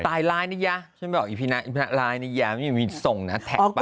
ตายลายนิยะฉันบอกอีพีนะลายนิยะมีส่งนะแท็กไป